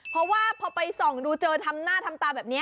เพราะว่าพอไปส่องดูเจอทำหน้าทำตาแบบนี้